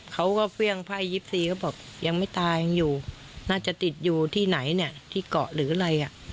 เฟี่ยงไพ่๒๔เขาบอกยังไม่ตายยังอยู่น่าจะติดอยู่ที่ไหนเนี่ยที่เกาะหรืออะไรอ่ะ